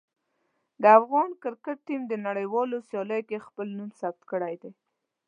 د افغان کرکټ ټیم د نړیوالو سیالیو کې خپل نوم ثبت کړی دی.